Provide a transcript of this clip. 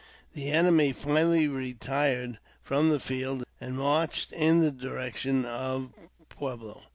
The enemy finally retired from the field, and marched in the direction of Pueblo.